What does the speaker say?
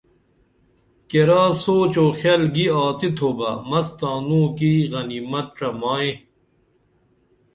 کیرا سوچ و خِیل گی آڅتُھوبہ مس تانوں کی غنیمت ڇمائی